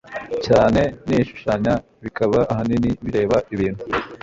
cyane n'ishushanya. bikaba ahanini bireba ibintu